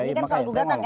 ini kan soal gugatan kan